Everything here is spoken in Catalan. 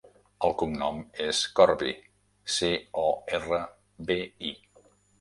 El cognom és Corbi: ce, o, erra, be, i.